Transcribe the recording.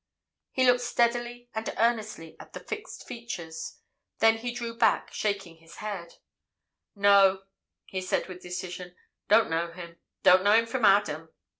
He looked steadily and earnestly at the fixed features. Then he drew back, shaking his head. "No!" he said with decision. "Don't know him—don't know him from Adam.